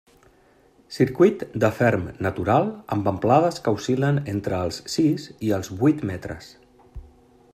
Circuit de ferm natural amb amplades que oscil·len entre els sis i els vuit metres.